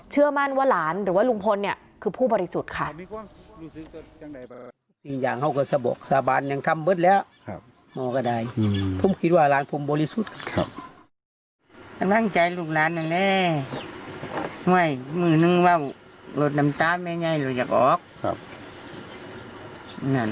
มั่นว่าหลานหรือว่าลุงพลเนี่ยคือผู้บริสุทธิ์ค่ะ